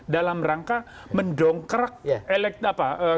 dalam rangka mendongkrak elektronik